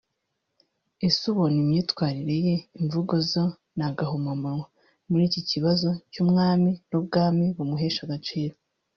Es ubona imyitwarire ye (imvugo zo n’agahomamunwa) muri iki kibazo cy’umwami n’ubwami bimuhesha agaciro